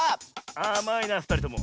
あまいなふたりとも。